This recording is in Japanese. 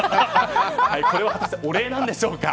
これは果たしてお礼なんでしょうか。